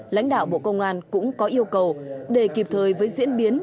lãnh đạo bộ công an cũng có yêu cầu để kịp thời với diễn biến